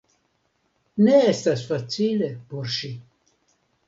Ne estas facile por ŝi.